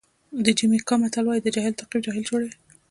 د جمیکا متل وایي د جاهل تعقیب جاهل جوړوي.